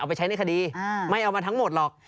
ไปใช้ในคดีไม่เอามาทั้งหมดหรอก